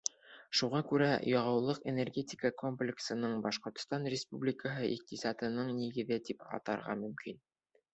Шуға күрә яғыулыҡ-энергетика комплексын Башҡортостан Республикаһы иҡтисадының нигеҙе тип атарға мөмкин.